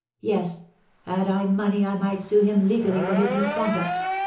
Yes; had I money I might sue him legally for his misconduct.